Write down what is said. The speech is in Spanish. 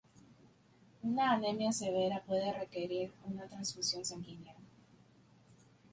Una anemia severa puede requerir una transfusión sanguínea.